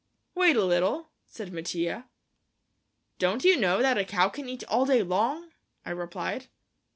"Wait a little," said Mattia. "Don't you know that a cow can eat all day long?" I replied.